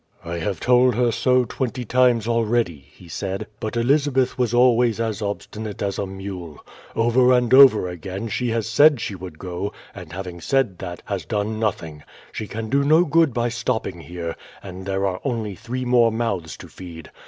"I have told her so twenty times already," he said; "but Elizabeth was always as obstinate as a mule. Over and over again she has said she would go; and having said that, has done nothing. She can do no good by stopping here; and there are only three more mouths to feed.